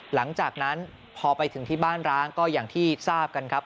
หลังจากนั้นพอไปถึงที่บ้านร้างก็อย่างที่ทราบกันครับ